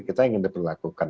kita ingin dilakukan